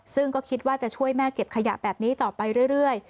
ซึ่งก็คิดว่าจะช่วยแม่เก็บขยะแบบนี้ต่อไปเรื่อย